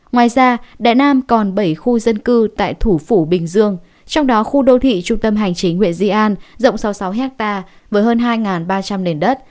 ngoài ra đại nam còn bảy khu dân cư tại thủ phủ bình dương trong đó khu đô thị trung tâm hành chính huyện di an rộng sáu mươi sáu hectare với hơn hai ba trăm linh nền đất